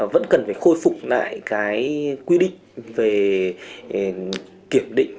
vẫn cần phải khôi phục lại cái quy định về kiểm định